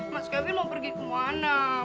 mas kavi mau pergi kemana